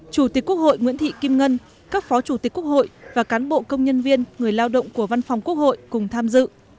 chủ tịch quốc hội nguyễn thị kim ngân các phó chủ tịch quốc hội và cán bộ công nhân viên người lao động của văn phòng quốc hội cùng tham dự